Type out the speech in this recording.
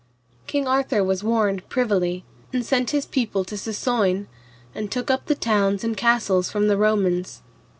King Arthur was warned privily, and sent his people to Sessoine, and took up the towns and castles from the Romans.